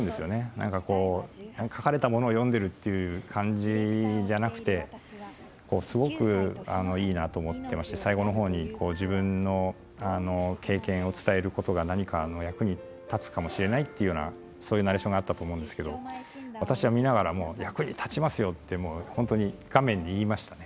何かこう書かれたものを読んでるっていう感じじゃなくてすごくいいなと思ってまして最後の方に自分の経験を伝えることが何かの役に立つかもしれないっていうようなそういうナレーションがあったと思うんですけど私は見ながら役に立ちますよって本当に画面に言いましたね。